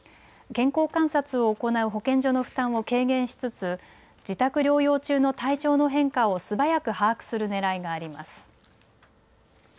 健康観察を行う保健所の負担を軽減しつつ自宅療養中の体調の変化を素早く把握するねらいがあります。